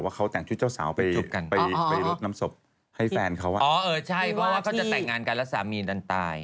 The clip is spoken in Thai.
ว่าเขาแต่งชุดเจ้าสาวไปลดน้ำศพให้แฟนเขา